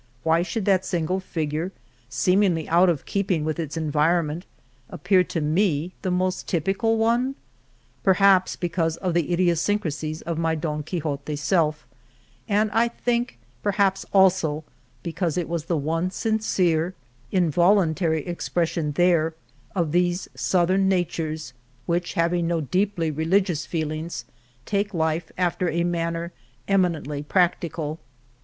Why should that single fig ure, seemingly out of keeping with its en vironment, appear to me the most typical one ? Perhaps because of the idiosyncrasies of my Don Quixote self and, I think, per haps also because it was the one sincere, in 127 I I El Toboso voluntary expression there of these Southern natures, which, having no deeply religious feelings, take life after a manner eminently practical.